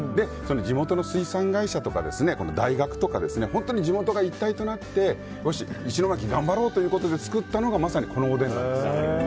地元の水産会社とか大学とか本当に地元が一体となって石巻、頑張ろうということで作ったのがまさにこのおでんなんです。